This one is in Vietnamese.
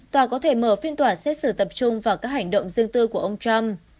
tòa có thể mở phiên tòa xét xử tập trung vào các hành động riêng tư của ông trump